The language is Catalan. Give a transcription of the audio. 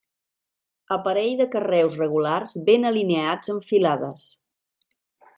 Aparell de carreus regulars ben alineats en filades.